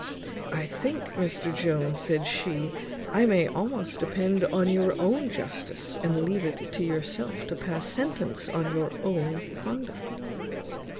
"I think, Mr Jones," said she, "I may almost depend on your own justice, and leave it to yourself to pass sentence on your own conduct."